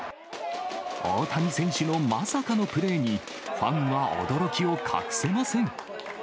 大谷選手のまさかのプレーに、ファンは驚きを隠せません。